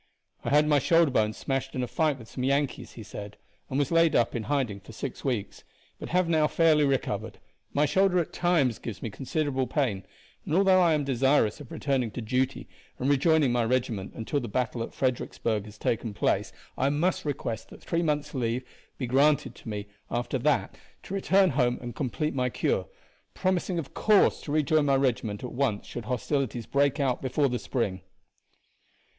"I had my shoulder bone smashed in a fight with some Yankees," he said, "and was laid up in hiding for six weeks; but have now fairly recovered. My shoulder, at times, gives me considerable pain, and although I am desirous of returning to duty and rejoining my regiment until the battle at Fredericksburg has taken place, I must request that three months' leave be granted to me after that to return home and complete my cure, promising of course to rejoin my regiment at once should hostilities break out before the spring."